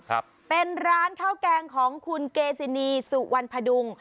ครับเป็นร้านข้าวแกงของคุณเกซินีสุวรรณพดุง